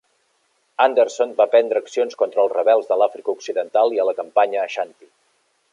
Anderson va prendre accions contra el rebels de l"Àfrica Occidental i a la campanya Ashanti.